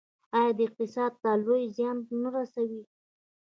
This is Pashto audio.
آیا دا اقتصاد ته لوی زیان نه رسوي؟